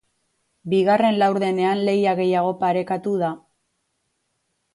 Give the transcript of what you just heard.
Bigarren laurdenean lehia gehiago parekatu da.